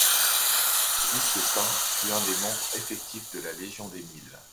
Auguste Thin fut un des membres effectif de la Légion des Mille.